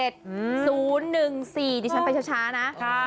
เดี๋ยวฉันไปช้านะ